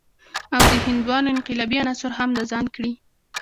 او د هندوانو انقلابي عناصر هم د ځان کړي.